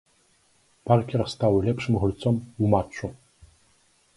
Паркер стаў лепшым гульцом ў матчу.